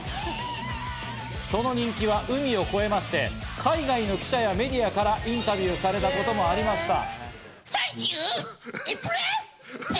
その人気は海を越えまして、海外の記者やメディアからインタビューされたこともありました。